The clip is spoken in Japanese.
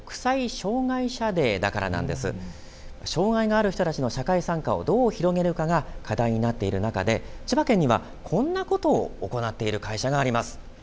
障害がある人たちの社会参加をどう広げるかが課題になっている中、千葉県にはこんなことを行っている会社があります。